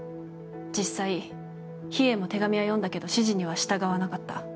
実際秘影も手紙は読んだけど指示には従わなかった。